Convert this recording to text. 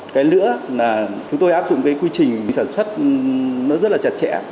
cái nữa là chúng tôi áp dụng cái quy trình sản xuất nó rất là chặt chẽ